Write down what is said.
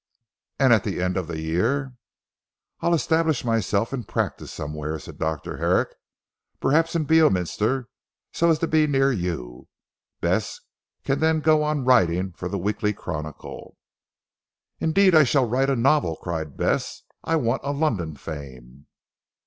"And at the end of the year?" "I'll establish myself in practice somewhere," said Dr. Herrick, "perhaps in Beorminster so as to be near you. Bess can then go on writing for the 'Weekly Chronicle.'" "Indeed, I shall write a novel," cried Bess, "I want a London fame."